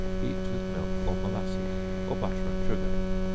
Eat it with milk or molasses, or butter and sugar.